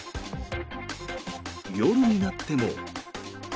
夜になっても。